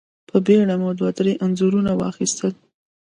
په بېړه مو دوه درې انځورونه واخيستل.